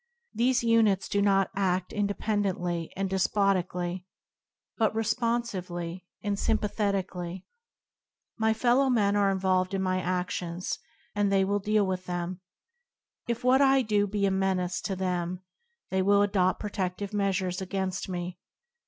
These units do not ad independently and despotically, but re [" i Q0an; ftUng; ofa^tnti sponsively and sympathetically. My fellow men are involved in my adions, and they will deal with them. If what I do be a menace to them, they will adopt protedive measures against me.